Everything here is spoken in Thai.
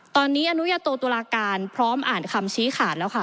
ตอนนี้อนุญาโตตุลาการพร้อมอ่านคำชี้ขาดแล้วค่ะ